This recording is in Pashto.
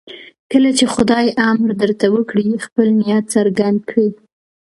کله چې خدای امر درته وکړي خپل نیت څرګند کړئ.